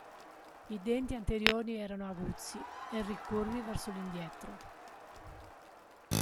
I denti anteriori erano aguzzi e ricurvi verso l'indietro.